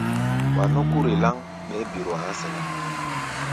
Wa nɔ́ kúri láŋ, ɓɛɛ́ biro a̧á̧ sɛnɛ́.